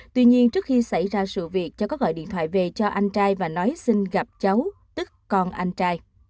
tuy nhiên trước khi xảy ra sự việc cháu có gọi điện thoại về cho anh trai và nói xin gặp cháu tức con anh trai